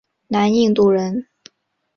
南印度人。